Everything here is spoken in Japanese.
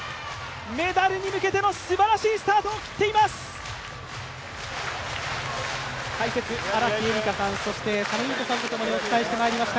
メダルに向けてのすばらしいスタートを切っています！